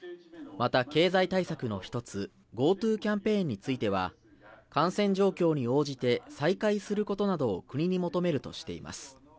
また、経済対策の１つＧｏＴｏキャンペーンについては感染状況に応じて再開することなどを国に求めるとしています。